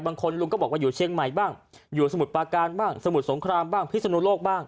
ลุงก็บอกว่าอยู่เชียงใหม่บ้างอยู่สมุทรปาการบ้างสมุทรสงครามบ้างพิศนุโลกบ้าง